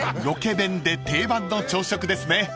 ［ロケ弁で定番の朝食ですね］